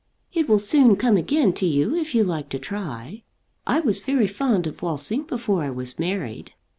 "It will soon come again to you if you like to try. I was very fond of waltzing before I was married."